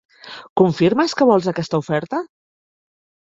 Confirmes que vols aquesta oferta?